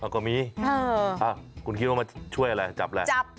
ก็มีคุณคิดว่ามาช่วยอะไรจับแหละจับ